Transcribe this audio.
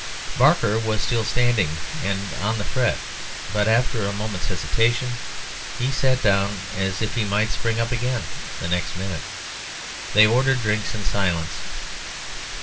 Barker was still standing, and on the fret, but after a moment's hesitation, he sat down as if he might spring up again the next minute. They ordered drinks in silence.